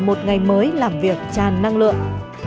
một ngày mới làm việc tràn năng lượng